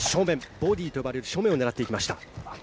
ボディーと呼ばれる正面を狙っていきました。